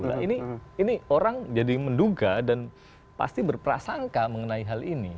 nah ini orang jadi menduga dan pasti berprasangka mengenai hal ini